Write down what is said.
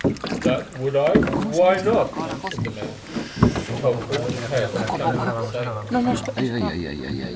"That would I, why not?" answered the man, and told all the tale of the coming of the sailor.